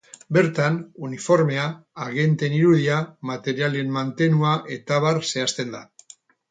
Bertan, uniformea, agenteen irudia, materialen mantenua etab zehazten da.